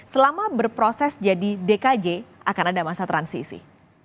selama berproses jadi dkj akan ada masa transisi